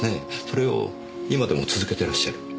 それを今でも続けてらっしゃる。